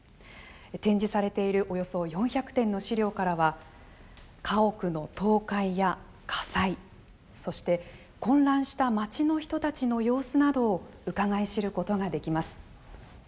展示されているおよそ４００点の資料からは家屋の倒壊や火災、そして混乱した町の人たちの様子などをうかがい知ることができます。